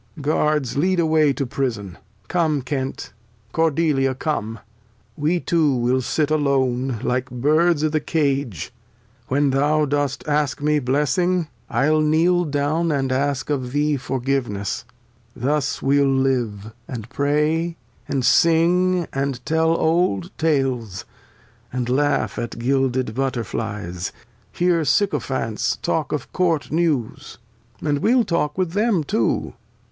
— Guards, lead away to Prison ; Come Kent, Cordelia, come ; We two will sit alone, like Birds i'th' Cage, When thou dost ask me Blessing, I'll kneel down And^ask of Thee Forgiveness ; thus we'U live. And Pray, and Sing, and tell old Tales, and laugh At gilded Butter Flies, hear Sycophants Talk of Court News, and we'll talk with them too.